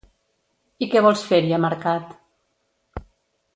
I què vols fer-hi a mercat?